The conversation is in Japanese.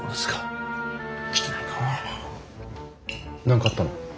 何かあったの？